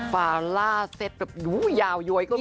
ฟาล่าเซตแบบดูยาวยวยก็มี